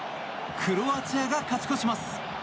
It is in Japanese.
クロアチアが勝ち越します。